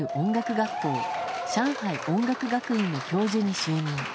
学校上海音楽学院の教授に就任。